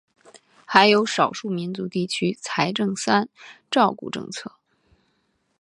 还有少数民族地区财政三照顾政策。